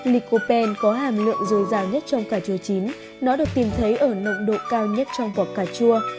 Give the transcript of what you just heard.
lycopene có hàm lượng dồi dào nhất trong cà chua chín nó được tìm thấy ở nộng độ cao nhất trong vọt cà chua